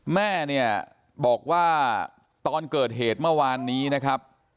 แม่เนี่ยบอกว่าตอนเกิดเหตุเมื่อวานนี้นะครับ